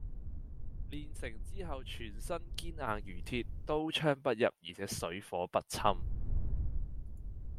練成之後全身堅硬如鐵，刀槍不入而且水火不侵